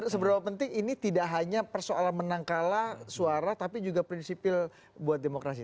seberapa penting ini tidak hanya persoalan menang kalah suara tapi juga prinsipil buat demokrasi